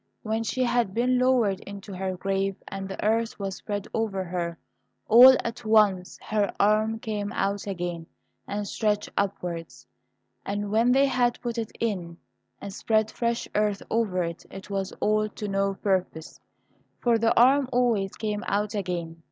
When she had been lowered into her grave, and the earth was spread over her, all at once her arm came out again, and stretched upwards, and when they had put it in and spread fresh earth over it, it was all to no purpose, for the arm always came out again.